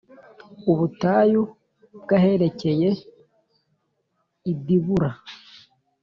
ubutayu bw aherekeye i Dibula